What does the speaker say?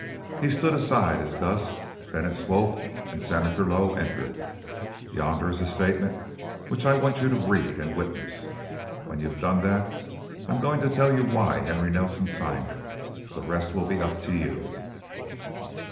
He stood aside as Gus, Bennett Swope, and Senator Lowe entered. "Yonder is a statement which I want you to read and witness. When you've done that, I'm going to tell you why Henry Nelson signed it. The rest will be up to you."